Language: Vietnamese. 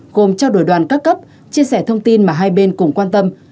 gồm trao đổi đoàn các cấp chia sẻ thông tin mà hai bên cùng quan tâm